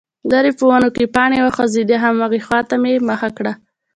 ليرې په ونو کې پاڼې وخوځېدې، هماغې خواته مې مخه کړه،